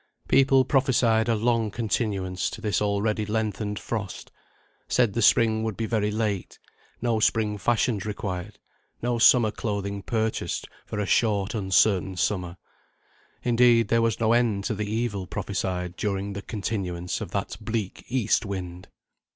People prophesied a long continuance to this already lengthened frost; said the spring would be very late; no spring fashions required; no summer clothing purchased for a short uncertain summer. Indeed there was no end to the evil prophesied during the continuance of that bleak east wind.